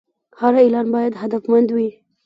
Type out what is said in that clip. هر اعلان باید هدفمند وي.